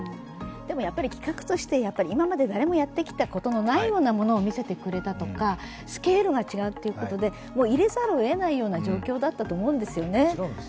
でも規格として今までやったことのないことを見せてくれたりとか、スケールが違うということで入れざるをえないような状況だったと思うんですよね。